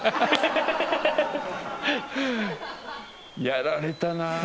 やられたなぁ。